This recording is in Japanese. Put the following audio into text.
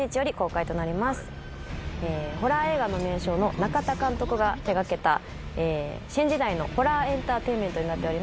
ホラー映画の名匠の中田監督が手掛けた新時代のホラーエンターテインメントになっております。